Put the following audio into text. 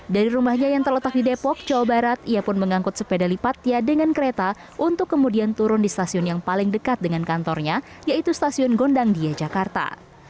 dari rumahnya yang terletak di depok jawa barat ia pun mengangkut sepeda lipatnya dengan kereta untuk kemudian turun di stasiun yang paling dekat dengan kantornya yaitu stasiun gondang dia jakarta